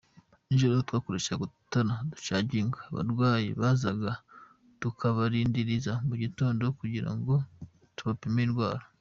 Nijoro twakoreshaga udutara ducagingwa, abarwayi bazaga tukabarindiriza mu gitondo kugira ngo tubapime indwara.